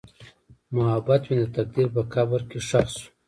محبت مې د تقدیر په قبر کې ښخ شو.